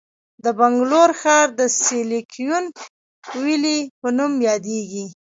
د بنګلور ښار د سیلیکون ویلي په نوم یادیږي.